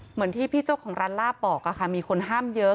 เหมือนที่พี่เจ้าของร้านลาบบอกค่ะมีคนห้ามเยอะ